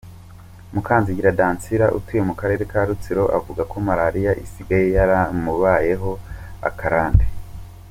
Mukanzigira Dancille utuye mu karere ka Rutsiro, avuga ko maraliya isigaye yaramubayeho akarande.